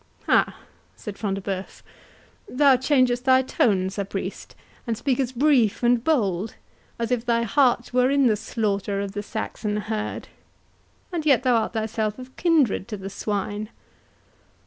"Ha!" said Front de Bœuf, "thou changest thy tone, Sir Priest, and speakest brief and bold, as if thy heart were in the slaughter of the Saxon herd; and yet thou art thyself of kindred to the swine?"